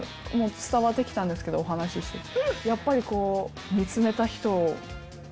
伝わって来たんですけどお話ししてて。